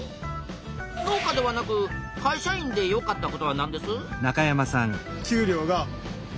農家ではなく会社員でよかったことはなんです？